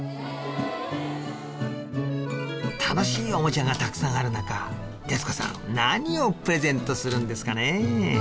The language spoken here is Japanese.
楽しいおもちゃがたくさんある中徹子さん何をプレゼントするんですかねえ？